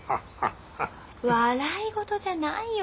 笑い事じゃないよ